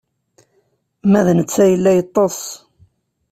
Ma d netta yella yeṭṭeṣ.